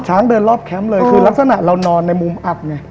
เดินรอบแคมป์เลยคือลักษณะเรานอนในมุมอับไง